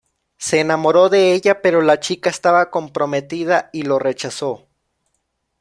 Se enamoró de ella, pero la chica estaba comprometida y lo rechazó.